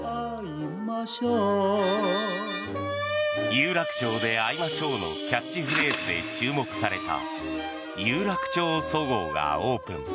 「有楽町で逢いましょう」のキャッチフレーズで注目された有楽町そごうがオープン。